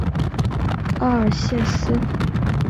奥尔谢斯。